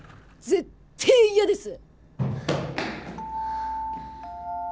絶対嫌です！